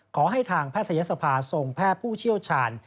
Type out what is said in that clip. ขอให้ทางแพทยศภาส่งแพทย์ผู้เชี่ยวชาญ